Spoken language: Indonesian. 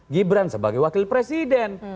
gibran sebagai wakil presiden